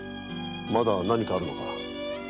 まだ何かあるのか。